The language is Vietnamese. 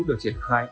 được triển khai